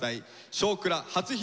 「少クラ」初披露。